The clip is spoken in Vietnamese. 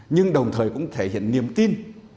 nhưng đồng thời cũng thể hiện niềm tin